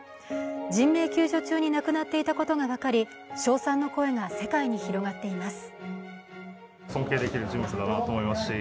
人命救助中に亡くなっていたことが分かり、称賛の声が世界に広がっています。